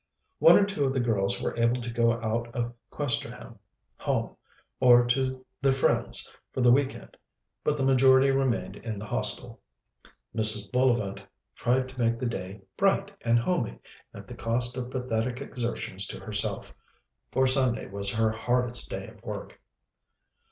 One or two of the girls were able to go out of Questerham home, or to their friends, for the week end, but the majority remained in the Hostel. Mrs. Bullivant tried to make the day "bright and homey" at the cost of pathetic exertions to herself, for Sunday was her hardest day of work.